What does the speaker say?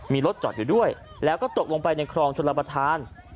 มีรถจอดอยู่ด้วยแล้วก็ตกลงไปในคลองชลประธาน